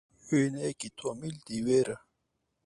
Wêneyekî Tomî li dîwêr e.